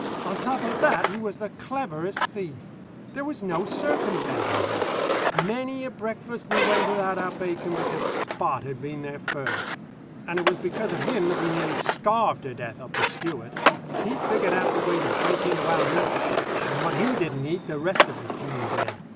On top of that, he was the cleverest thief. These was no circumventing him. Many a breakfast we went without our bacon because Spot had been there first. And it was because of him that we nearly starved to death up the Stewart. He figured out the way to break into our meat cache, and what he didn't eat, the rest of the team did.